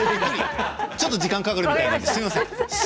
ちょっと時間がかかるのですみません。